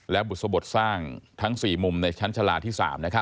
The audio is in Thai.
และบุษบทสร้างทั้ง๔มุมในชั้นชาลาที่๓